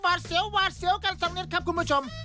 วาดเสียววาดเสียวการสั่งเลยครับคุณผู้ชม